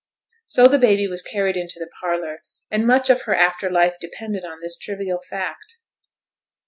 So the baby was carried into the parlour, and much of her after life depended on this trivial fact.